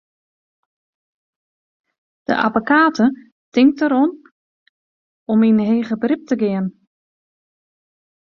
De abbekate tinkt der dan oer om yn heger berop te gean.